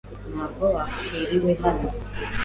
Ntabwo wakiriwe hano.